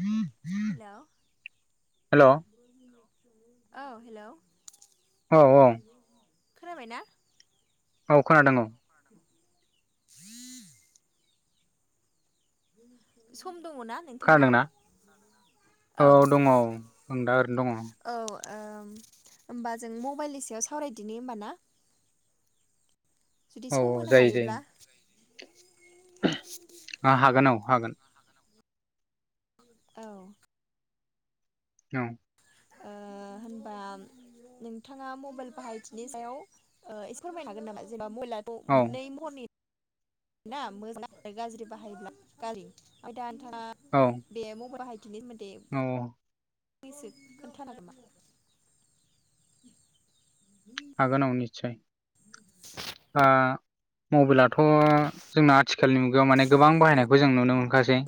हेल' hello! औ [unintelligible] औ hello! औ खोनाबायना? औ खोनादों औ। खोनादों औ। सम दङना? नोंथाङा खोनादोंना औ। दङ औ आं दा ओरैनो दङ औ ओम होमबा जों मबाइलनि सायाव सावरायदिनि होमबा ना? जुदि औ सम होनो हायोब्ला [unintelligible] आ हागोन औ हागोन। आ हागोन औ हागोन। औ। औ। ओ होमबा नोंथाङा मबाइल बाहायथिनि सायाव ओ एसे फोरमायनो हागोन नामा? जेनेबा मबायलाथ' औ नै महरनि ना मोजां [inaudible] आरो गाज्रि बाहायोब्ला गाज्रि। ओमफ्राय दा नोंथाङा बे मबायल बाहायथिनि सोमोनदै अ। फंनैसो खोन्थानो हागोन नामा? हागोन औ निसय, दा मबाइलाथ' जोंना आथि थिखालनि मुगायाव माने गोबां औ बाहायनायखौ जों नुनो मोनखासै।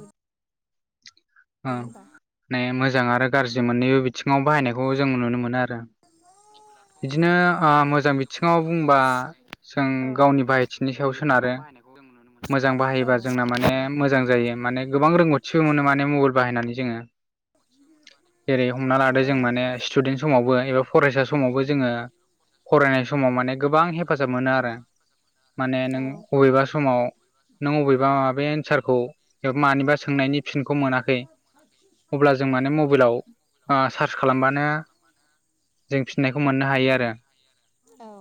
दे ओं होमबा माने मोजां आरो गाज्रि मोननैबो बिथिङाव बाहायनायखौ जों नुनो मोनो आरो। बिदिनो ओ मोजां बिथिङाव बुंबा जों गावनि बाहायथिनि सायाव सोनारो। खौ जों नुनो मोनो। मोजां बाहायोबा जोंना माने मोजां जायो माने गोबां रोंगौथिबो मोनो माने मबाइल बाहायनानै जोङो। जेरै हमना लादो जों माने औ स्टुडेन्ट समावबो एबा फरायसा समावबो जोङो फरायनाय समाव माने गोबां हेफाजाब मोनोआरो माने नों अबेबा समाव नों बबेबा माबे एन्सारखौ एबा मानिबा सोंनायनि फिनखौ मोनाखै [unintelligible] अब्ला जों ओ माने सार्च मबाइलाव खालामबानो सार्च खालामबानो जों फिननायखौ मोननो हायोआरो औ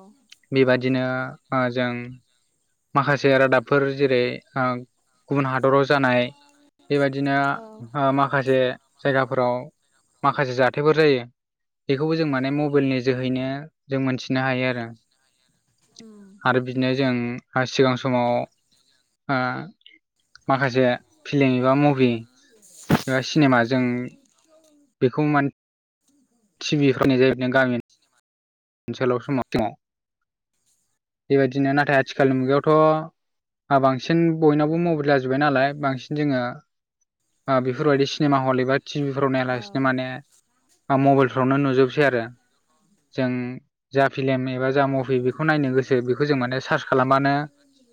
बेबादिनो ओ जों माखासे रादाबफोर जेरै ओ गुबुन हादराव जानाय बेबायदिनो ओ माखासे ओ माखासे जायगाफोराव थायफोर जायो बेखौबो जों माने मबेलनि जोहैनो जों मोनथिनो हायोआरो उम आरो बिदिनो जों आ सिगां स समाव ओ माखासे फिल्म एबा मुभि एबा सिनेमा जों [unintelligible] बेखौ मान [inaudible] टिबिफोरनि [unintelligible] ओनसोलाव समाव थोमाव बेबायदिनो नाथाय आथिखालनि मुगायावथ' बांसिन बयनावबो मबाइला जोबबाय नालाय बांसिन जोङो ओ बेफोरबायदि सिनेमा हल एबा टिभिफोराव औ नायालासिनो माने ओ मबाइलफ्रावनो नुजोबसै आरो जों जा फिल्म एबा जा मुभि बेखौ नायनो गोसो बेखौ जों माने सार्च खालामबानो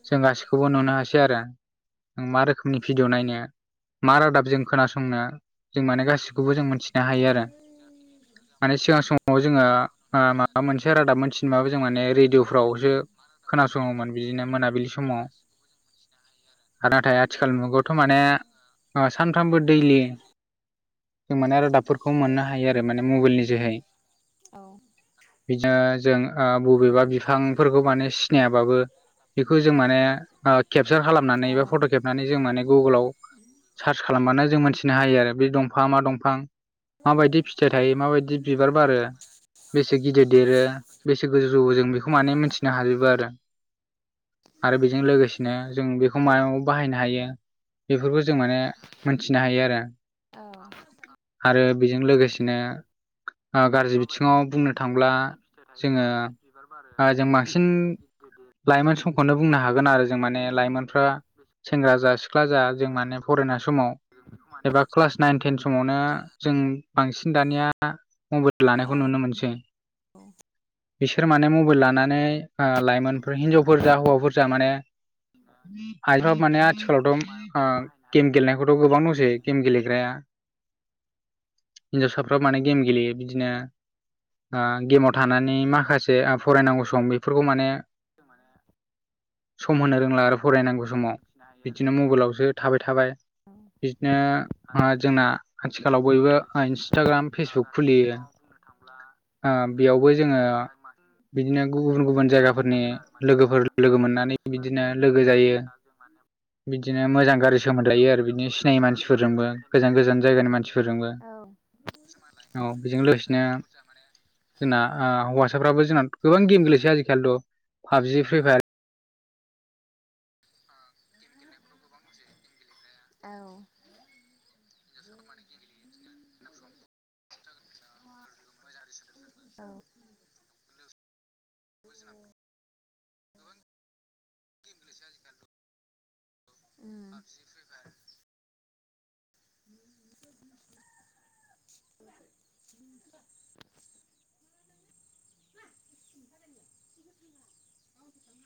जों गासिखौबो नुनो हासै आरो नों मा रोखोमनि भिडिय' नायनो मा रादाबजों खोनासंनो जों माने गासिखौबो जों मोनथिनो हायोआरो माने सिगां समाव जोंङो ओ माबा मोनसे रादाब मोनथिनोबाबो जों माने रेडिअ'फ्रावसो खोनासङोमोन बिदिनो मोनाबिलि समाव आरो नाथाय आथिखाल मुगायावथ' माने ओ सानफ्रामबो दैलि [unintelligible] जों माने रादाबफोरखौ मोननो हायो आरो माने मबाइलनि जोहै औ बिदिनो जों ओ बबेबा बिफांफोरखौ माने सिनायाबाबो बेखौ जों माने ओ केपसार औ खालामनानै बा फट' खेबनानै जों माने गगोलाव सार्च खालामबानो जों मोनथिनो हायो आरो बे दंफांआ मा दंफां माबायदि फिथाइ थायो माबायदि बिबार बारो बेसे गिदिर देरो बेसे गोजौ जौवो जों बेखौ माने मिथिनो हाजोबोआरो आरो बेजों लोगोसेनो जों बेखौ मायाव बाहायनो हायो बेफोरखौ जों माने मोनथिनो हायो आरो आरो बेजों लोगोसेनो ओ गाज्रि आव बुंनो थांब्ला जोंङो ओ जों बांसिन लाइमोन समखौनो बुंनो हागोन आरो जों माने लाइमोन फ्रा सेंग्रा जा सिख्ला जा जों माने फरायनाय समाव एबा क्लास नाइन टेन समावनो जों बांसिन दानिया मबाइल लानाय औ नोमोनसै बिसोर माने मबाइल लानानै ओ लाइ मोनफोर हिनजावफोर जा हौवाफोर जा माने खाइफा माने आथिखालावथ' ओ गेम गेलनाय गथ' गोबां दंसै गेम गेलेग्राया हिन्जावसाफ्रा माने गेम गेलेयो बिदिनो ओ गेमाव थानानै माखासे फरायनांगौ सम बेफोरखौ माने जों माने सम होनो रोंला आरो फरायनांगौ समाव बिदिनो मबाइलावसो थाबाय थाबाय बिदिनो ओ जोंना आथिखालाव बयबो इन्सटाग्राम फेसबुक खुलियो ओ बेयावबो जों बिदिन्थिफोर गुबुन गुबुन जायगाफोरनि लोगोफोर लोगो मोननानै बिदिनो लोगो जायो दा जों माने बिदिनो मोजां गारि सोमोनलायो आरो बिदिनो सिनायै मानसिफोरजोंबो गोजान गोजान जायगानि मानसिफोरजोंबो औ बेजों लोगोसेनो जामाने जोंना ओ हौवासाफ्राबो जोंनना गोबां गेम गेलेसै आजिखालिथ' पाबजि फ्रि आथिखालआव फायार थ ओ गेम गो बां गथ' गेम गेलेग्राया औ हिन्जावसाफ्रा माने गेम गेलेयो [unintelligible] [unintelligible] औ गेम्लेसो आजिखालि अम पाबजि फ्रि फायार [inaudible] [unintelligible] [unintelligible]